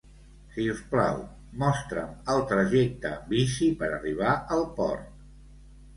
Si us plau, mostra'm el trajecte en bici per arribar al Port.